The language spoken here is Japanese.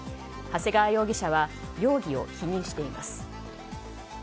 長谷川容疑者は容疑を否認しています。